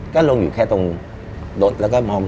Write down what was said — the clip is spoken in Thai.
ลุงลงอยู่ในตรงเยี่ยม